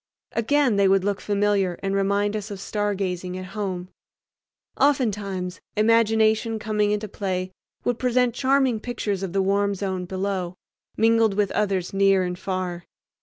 Again they would look familiar and remind us of stargazing at home. Oftentimes imagination coming into play would present charming pictures of the warm zone below, mingled with others near and far.